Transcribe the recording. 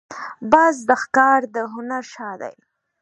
باز د ښکار د هنر شاه دی